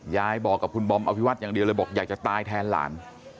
ยายบอกกับคุณบอมอภิวัตอย่างเดียวเลยบอกอยากจะตายแทนหลาน